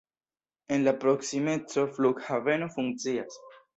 En la proksimeco flughaveno funkcias.